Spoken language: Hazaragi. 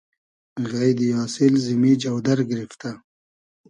غݷدی آسیل زیمی جۆدئر گیریفتۂ